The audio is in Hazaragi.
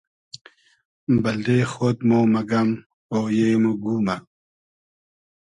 بئلدې خۉد مۉ مئگئم اویې مۉ گومۂ